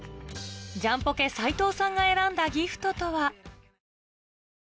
ジャンポケ・斉藤さんが選んだギフトとは？